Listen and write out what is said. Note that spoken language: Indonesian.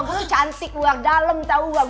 gue tuh cantik luar dalem tau gak